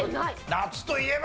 夏といえば。